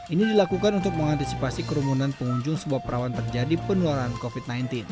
ini dilakukan untuk mengantisipasi kerumunan pengunjung sebuah perawan terjadi penularan covid sembilan belas